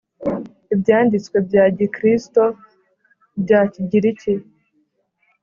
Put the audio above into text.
Ibyanditswe bya Gikristo bya Kigiriki